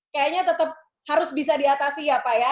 kayaknya tetap harus bisa diatasi ya pak ya